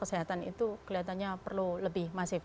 jadi kelihatannya perlu lebih masif